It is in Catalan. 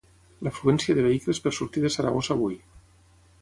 L'afluència de vehicles per sortir de Saragossa avui.